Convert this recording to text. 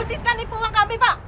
usiskan di pulang kami pak